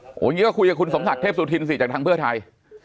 อย่างนี้ก็คุยกับคุณสมศักดิ์เทพสุธินสิจากทางเพื่อไทย